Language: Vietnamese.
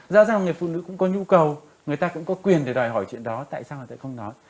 rõ ràng người phụ nữ cũng có nhu cầu người ta cũng có quyền để đòi hỏi chuyện đó tại sao người ta không nói